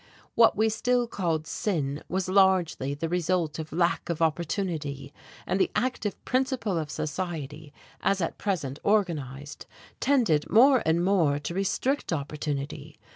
What we still called "sin" was largely the result of lack of opportunity, and the active principle of society as at present organized tended more and more to restrict opportunity.